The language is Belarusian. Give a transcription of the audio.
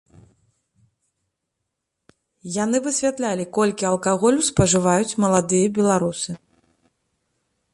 Яны высвятлялі, колькі алкаголю спажываюць маладыя беларусы.